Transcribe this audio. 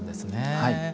はい。